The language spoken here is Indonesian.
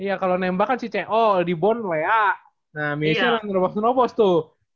iya kalau nembah kan si c o dibon lea nah michelle yang nerobos terobos tuh